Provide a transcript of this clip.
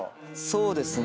そうですね。